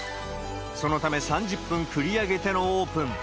そのため、３０分繰り上げてのオープン。